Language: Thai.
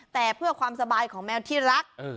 แต่เพื่อความสบายของแมวที่รัก